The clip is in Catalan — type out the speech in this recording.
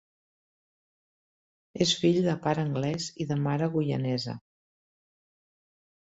És fill de pare anglès i de mare guyanesa.